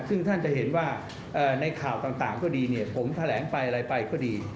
ซึ่งท่านจะเห็นว่าในข่าวต่างก็ดีเนี่ยผมแถลงไปอะไรไปก็ดี